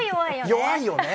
弱いよね。